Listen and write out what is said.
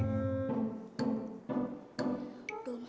aduh sama ngerang